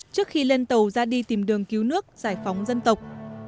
trước khi lên tàu ra đi tìm đường cứu nước giải phóng dân tộc